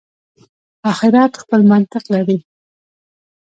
آخرت خپل منطق لري.